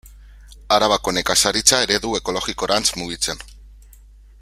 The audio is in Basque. Arabako nekazaritza eredu ekologikorantz mugitzen.